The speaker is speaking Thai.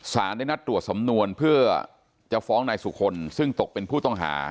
ได้นัดตรวจสำนวนเพื่อจะฟ้องนายสุคลซึ่งตกเป็นผู้ต้องหา